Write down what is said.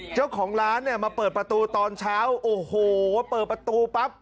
เจ้าของร้านเนี่ยมาเปิดประตูตอนเช้าโอ้โหเปิดประตูปั๊บ